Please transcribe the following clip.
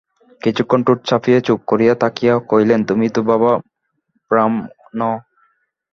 কিছুক্ষণ ঠোঁট চাপিয়া চুপ করিয়া থাকিয়া কহিলেন, তুমি তো বাবা, ব্রাহ্ম নও?